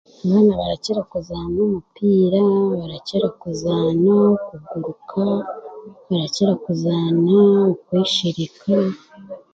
Abaana barakira kuzaana omupiira barakira kuzaana okuguruka barakira kuzaana okweshereka